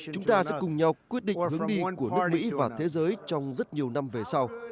chúng ta sẽ cùng nhau quyết định hướng đi của nước mỹ và thế giới trong rất nhiều năm về sau